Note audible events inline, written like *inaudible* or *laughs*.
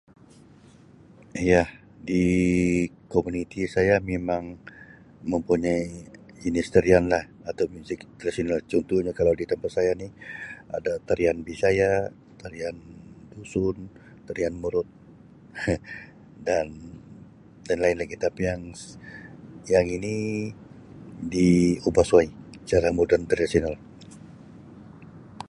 Iya di komuniti saya memang mempunyai jenis tarian lah atau muzik tradisional contoh nya kalau di tempat saya ni ada tarian bisaya, tarian dusun, tarian murut *laughs* dan dan lain lagi tapi yang yang ini di ubah suai cara moden tradisional.